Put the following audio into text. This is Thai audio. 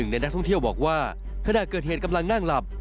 ในนักท่องเที่ยวบอกว่าขณะเกิดเหตุกำลังนั่งหลับ